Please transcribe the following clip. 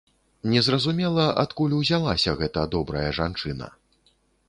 Не зразумела адкуль узялася гэта добрая жанчына.